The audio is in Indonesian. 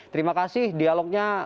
terima kasih dialognya